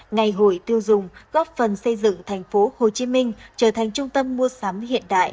ngày hội tiêu dùng góp phần xây dựng tp hcm trở thành trung tâm mua sắm hiện đại